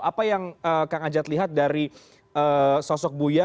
apa yang kang ajat lihat dari sosok buya